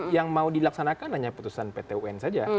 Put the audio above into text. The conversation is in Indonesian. yang mau dilaksanakan hanya putusan pt un saja